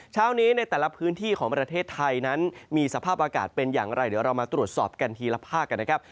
เช้านี้ในแต่ละพื้นที่ของประเทศไทยนั้นมีสภาพอากาศเป็นอย่างไรเดี๋ยวเรามาตรวจสอบกันทีละภาคกันนะครับ